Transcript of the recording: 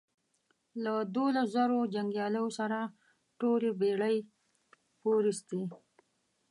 له دوولس زرو جنګیالیو سره ټولې بېړۍ پورېستې.